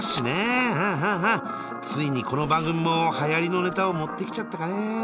ついにこの番組もはやりのネタを持ってきちゃったかね。